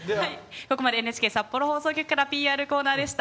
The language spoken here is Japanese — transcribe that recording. ここまでＮＨＫ札幌放送局からＰＲコーナーでした。